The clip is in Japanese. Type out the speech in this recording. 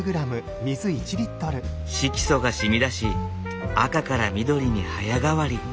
色素が染み出し赤から緑に早変わり。